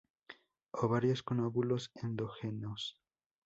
Ovarios con óvulos endógenos.